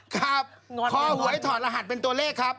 ครับคอหวยถอดรหัสเป็นตัวเลขครับ